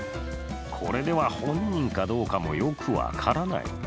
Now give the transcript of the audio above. これでは本人かどうかもよく分からない。